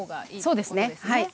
そうですねはい。